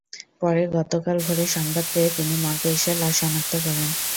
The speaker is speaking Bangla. পরে গতকাল ভোরে সংবাদ পেয়ে তিনি মর্গে এসে লাশ শনাক্ত করেন।